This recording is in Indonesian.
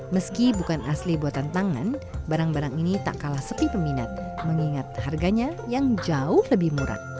meski bukan asli buatan tangan barang barang ini tak kalah sepi peminat mengingat harganya yang jauh lebih murah